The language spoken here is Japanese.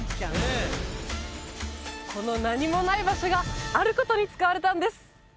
この何もない場所があることに使われたんです